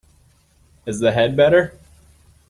Is the head better?